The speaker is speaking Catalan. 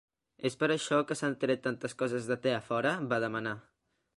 "És per això que s'han tret tantes coses de té a fora?" va demanar.